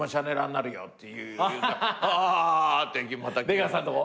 出川さんとこ？